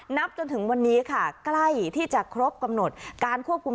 นับจนถึงวันนี้ค่ะใกล้ที่จะครบกำหนดการควบคุม